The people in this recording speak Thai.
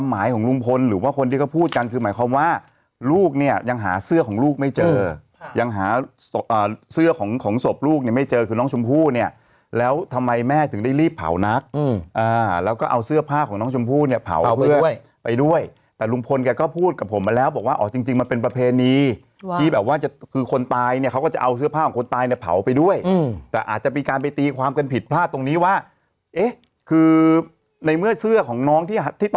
ไปรีบเผานักอืมอ่าแล้วก็เอาเสื้อผ้าของน้องชมพูเนี่ยเผาไปด้วยไปด้วยแต่ลุงพลกันก็พูดกับผมมาแล้วบอกว่าอ๋อจริงจริงมันเป็นประเพณีที่แบบว่าจะคือคนตายเนี่ยเขาก็จะเอาเสื้อผ้าของคนตายเนี่ยเผาไปด้วยอืมแต่อาจจะมีการไปตีความเป็นผิดพลาดตรงนี้ว่าเอ๊ะคือในเมื่อเสื้อของน้องท